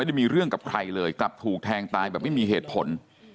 ได้มีเรื่องกับใครเลยกลับถูกแทงตายแบบไม่มีเหตุผล